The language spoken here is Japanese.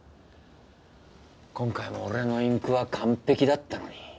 今回も俺のインクは完璧だったのに。